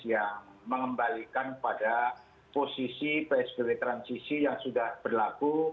yang mengembalikan pada posisi psbb transisi yang sudah berlaku